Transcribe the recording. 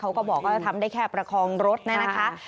เขาก็บอกว่าทำได้แค่ประคองรถนะคะ